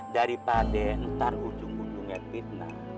daripada ntar ujung ujungnya fitnah